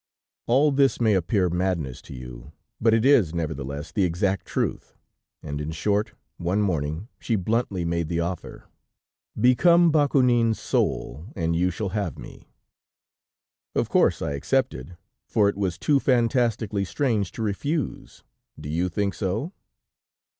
"All this may appear madness to you, but it is, nevertheless, the exact truth, and, in short, one morning she bluntly made the offer: 'Become Bakounine's soul, and you shall have me.' "Of course, I accepted, for it was too fantastically strange to refuse; do you think so?